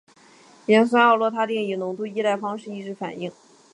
盐酸奥洛他定以浓度依赖方式抑制反应。